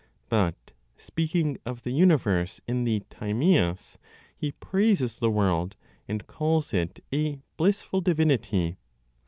But, speaking of the universe in the Timaeus, he praises the world, and calls it a blissful divinity.